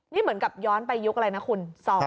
นี่เหมือนกับย้อนไปยุคอะไรนะคุณ